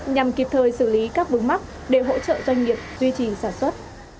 nhằm kịp thời xử lý các vướng mắc để hỗ trợ doanh nghiệp duy trì sản xuất